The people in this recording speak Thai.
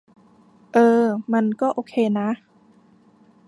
เออ มันก็โอเคนะ